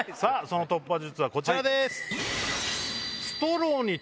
その突破術はこちらです。